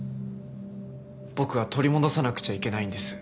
僕は取り戻さなくちゃいけないんです。